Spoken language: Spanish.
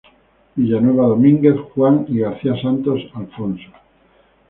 Villanueva Dominguez, Juan, y García Santos, Alfonso.